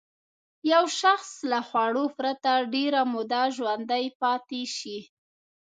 یو شخص له خوړو پرته ډېره موده ژوندی پاتې شي.